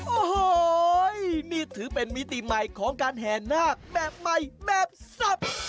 โอ้โหนี่ถือเป็นมิติใหม่ของการแห่นาคแบบใหม่แบบแซ่บ